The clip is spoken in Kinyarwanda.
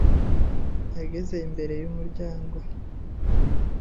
ageze imbere y ‘umuryango